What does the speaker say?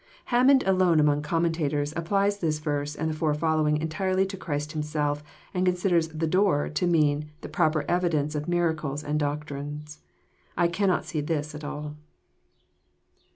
Hammond alone among commentators applies this verse and the four following entirely to Christ Himself, and considers " the door " to mean the proper evidence of miracles and doc trine. I cannot see this at all.